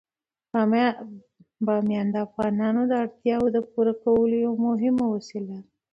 بامیان د افغانانو د اړتیاوو د پوره کولو یوه مهمه وسیله ده.